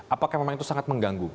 apakah memang itu sangat mengganggu